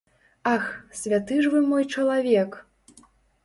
Ах, святы ж вы мой чалавек!